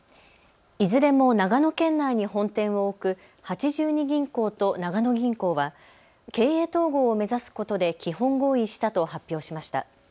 いずれも長野県内に本店を置く八十二銀行と長野銀行は経営統合を目指すことで基本合意したと発表しました。